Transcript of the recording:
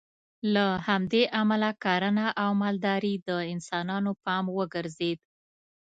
له همدې امله کرنه او مالداري د انسانانو پام وګرځېد